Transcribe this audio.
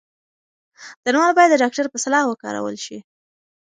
درمل باید د ډاکتر په سلا وکارول شي.